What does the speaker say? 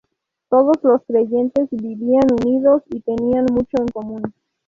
Todos los creyentes vivían unidos y tenían todo en común.